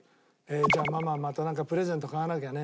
「じゃあママまたなんかプレゼント買わなきゃね」